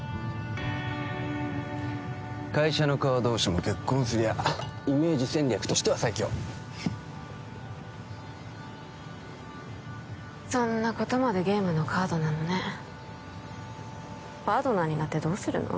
会社の顔同士も結婚すりゃイメージ戦略としては最強そんなことまでゲームのカードなのねパートナーになってどうするの？